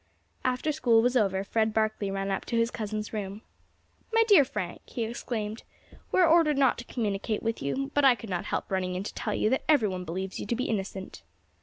After school was over Fred Barkley ran up to his cousin's room. "My dear Frank," he exclaimed, "we are ordered not to communicate with you, but I could not help running in to tell you that every one believes you to be innocent."